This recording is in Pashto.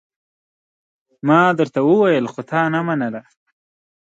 ما درته وويل خو تا نه منله!